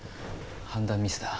判断ミスだ。